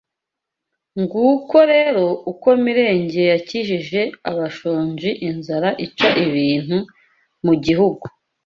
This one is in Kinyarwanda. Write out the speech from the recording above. Nguko rero uko Mirenge yakijije abashonji inzara ica ibintu mu Gihugu